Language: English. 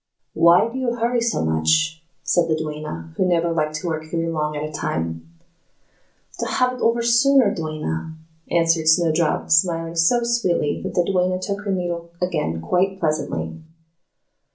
"Why do you hurry so much," said the duenna, who never liked to work very long at a time. "To have it over the sooner, dear duenna," answered Snowdrop, smiling so sweetly that the duenna took her needle again quite pleasantly.